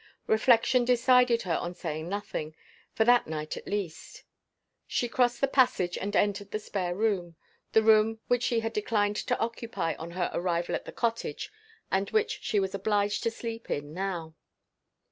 Reflection decided her on saying nothing, for that night at least. She crossed the passage, and entered the spare room the room which she had declined to occupy on her arrival at the cottage, and which she was obliged to sleep in now.